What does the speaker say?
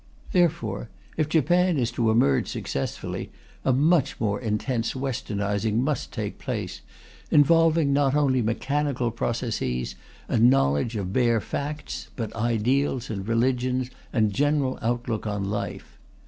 Therefore if Japan is to emerge successfully, a much more intense Westernizing must take place, involving not only mechanical processes and knowledge of bare facts, but ideals and religion and general outlook on life.